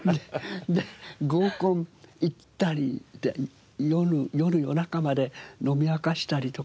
で合コン行ったり夜夜中まで飲み明かしたりとかね。